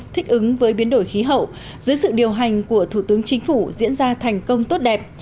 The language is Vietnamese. thích ứng với biến đổi khí hậu dưới sự điều hành của thủ tướng chính phủ diễn ra thành công tốt đẹp